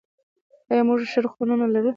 آیا موږ ښه روغتونونه لرو؟